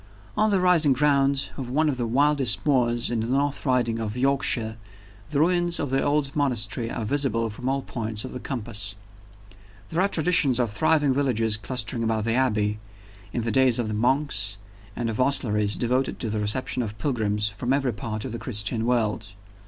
On the rising ground of one of the wildest moors in the North Riding of Yorkshire, the ruins of the old monastery are visible from all points of the compass. There are traditions of thriving villages clustering about the Abbey, in the days of the monks, and of hostleries devoted to the reception of pilgrims from every part of the Christian world.